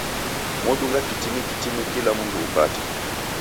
modunga kitini kitini kila mundu upate.